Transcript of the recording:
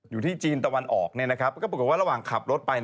อยู่ที่จีนตะวันออกก็ปรากฏว่าระหว่างขับรถไป